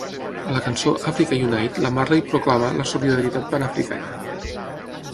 A la cançó "Africa Unite", la Marley proclama la solidaritat panafricana.